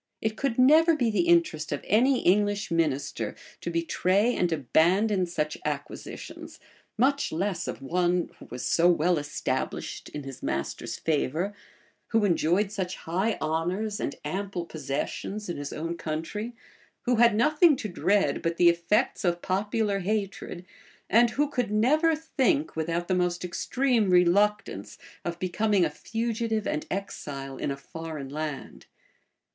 It could never be the interest of any English minister to betray and abandon such acquisitions; much less of one who was so well established in his master's favor, who enjoyed such high honors and ample possessions in his own country, who had nothing to dread but the effects of popular hatred and who could never think, without the most extreme reluctance, of becoming a fugitive and exile in a foreign land.